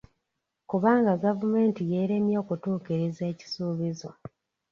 Kubanga gavumenti yeeremye okutuukiriza ekisuubizo.